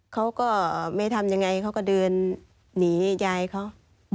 เขาก็ไม่ทำยังไงเขาก็เดินหนียายเขา